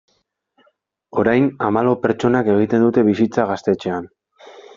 Orain hamalau pertsonak egiten dute bizitza gaztetxean.